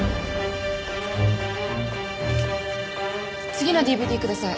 次のＤＶＤください。